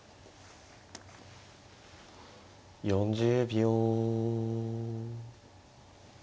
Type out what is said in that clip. ４０秒。